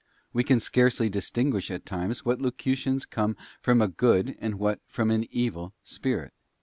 We can scarcely distinguish at times what locutions come 'from a good, and what from an evil, spirit.